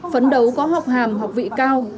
phấn đấu có học hàm học vị cao